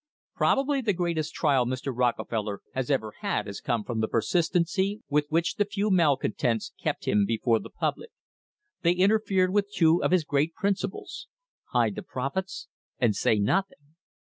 Probably the greatest trial Mr. Rockefeller has ever had has come from the persistency with which the few malcontents kept him before the public. They interfered with two of his great principles "hide the prof its" and "say nothing."